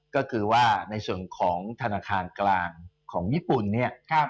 ก็คือว่าในส่วนของธนาคารกลางของญี่ปุ่นเนี่ย